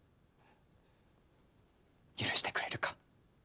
許してくれるか？